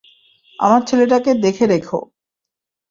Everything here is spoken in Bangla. আমার ছেলেটাকে দেখে রেখো।